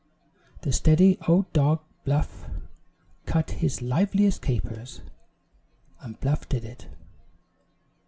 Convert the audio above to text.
"The steady old dog, Bluff, cut his liveliest capers " And Bluff did it.